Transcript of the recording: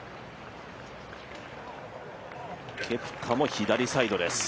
ケプカも左サイドです。